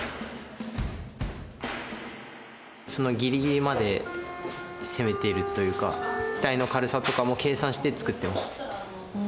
そのギリギリまで攻めてるというか機体の軽さとかも計算して作ってます。